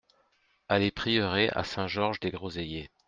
Allée Prieuré à Saint-Georges-des-Groseillers